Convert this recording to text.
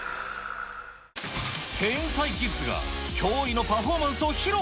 天才キッズが驚異のパフォーマンスを披露。